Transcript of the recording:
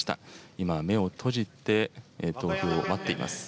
今、目を閉じて、待っています。